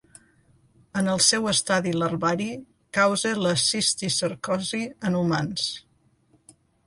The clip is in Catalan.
En el seu estadi larvari, causa la cisticercosi en humans.